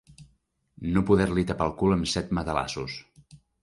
No poder-li tapar el cul amb set matalassos.